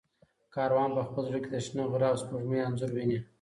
کاروان په خپل زړه کې د شنه غره او سپوږمۍ انځور ویني.